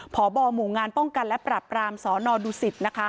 ผอบอหมู่งานป้องกันและปรับรามสนดุสิทธิ์